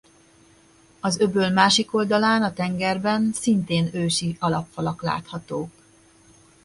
Az öböl másik oldalán a tengerben szintén ősi alapfalak láthatók.